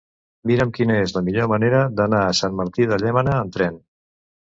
Mira'm quina és la millor manera d'anar a Sant Martí de Llémena amb tren.